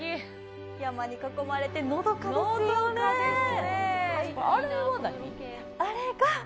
山に囲まれて、のどかですね。